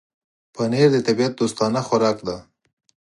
پنېر د طبيعت دوستانه خوراک دی.